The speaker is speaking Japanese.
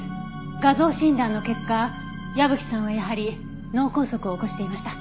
画像診断の結果矢吹さんはやはり脳梗塞を起こしていました。